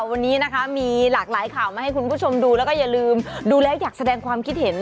วันนี้นะคะมีหลากหลายข่าวมาให้คุณผู้ชมดูแล้วก็อย่าลืมดูแล้วอยากแสดงความคิดเห็น